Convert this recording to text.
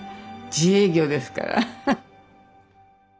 自営業ですから。